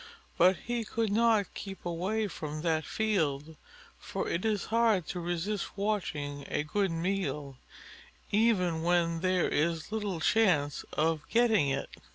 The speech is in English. But he could not keep away from that field, for it is hard to resist watching a good meal, even when there is little chance of getting it.